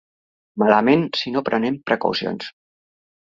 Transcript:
Malament si no prenem precaucions.